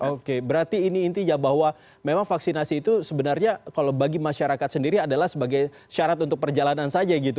oke berarti ini intinya bahwa memang vaksinasi itu sebenarnya kalau bagi masyarakat sendiri adalah sebagai syarat untuk perjalanan saja gitu